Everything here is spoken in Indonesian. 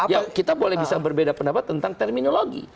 ya kita boleh bisa berbeda pendapat tentang terminologi